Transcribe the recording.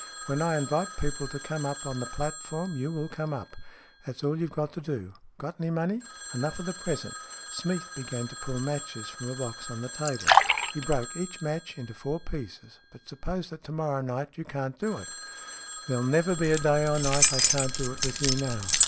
When I invite people to come up on the platform, you will come up. That's all you've got to do. Got any money ?" "Enough for the present." Smeath began to 6 STORIES IN GREY pull matches from a box on the table. He broke each match into four pieces. " But suppose that to morrow night you can't do it ?"" There'll never be a day or night I can't do it with you now.